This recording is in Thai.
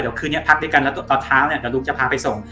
เดี๋ยวคืนนี้พักด้วยกันแล้วตอนเช้าเนี่ยเดี๋ยวลุงจะพาไปส่ง